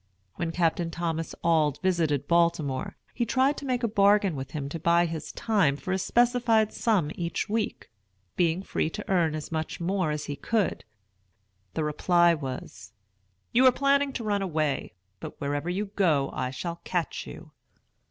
When Captain Thomas Auld visited Baltimore, he tried to make a bargain with him to buy his time for a specified sum each week, being free to earn as much more as he could. The reply was, "You are planning to run away. But, wherever you go, I shall catch you."